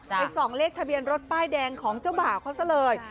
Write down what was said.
ไปส่องเลขทะเบียนรถป้ายแดงของเจ้าบ่าวเขาซะเลย